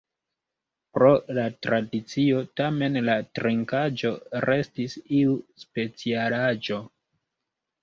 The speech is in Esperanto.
Pro la tradicio tamen la trinkaĵo restis iu specialaĵo.